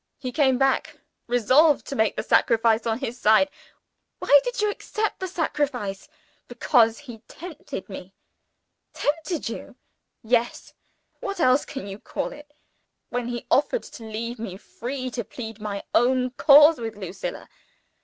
He came back, resolved to make the sacrifice, on his side " "Why did you accept the sacrifice?" "Because he tempted me." "Tempted you?" "Yes! What else can you call it when he offered to leave me free to plead my own cause with Lucilla?